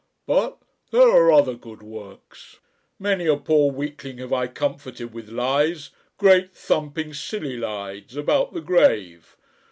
But there are other good works. Many a poor weakling have I comforted with Lies, great thumping, silly Lies, about the grave!